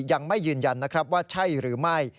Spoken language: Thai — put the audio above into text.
ยังไม่ยืนยันนะครับว่าใช่หรือไม่